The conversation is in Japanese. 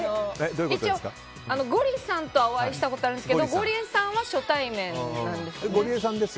一応、ゴリさんとはお会いしたことあるんですけどゴリエさんは初対面なんです。